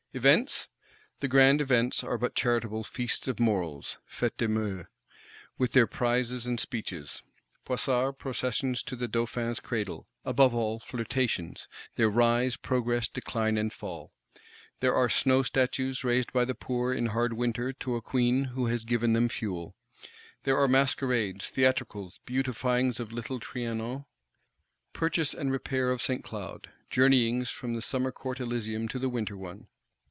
Events? The Grand events are but charitable Feasts of Morals (Fêtes des mœurs), with their Prizes and Speeches; Poissarde Processions to the Dauphin's cradle; above all, Flirtations, their rise, progress, decline and fall. There are Snow statues raised by the poor in hard winter to a Queen who has given them fuel. There are masquerades, theatricals; beautifyings of little Trianon, purchase and repair of St. Cloud; journeyings from the summer Court Elysium to the winter one.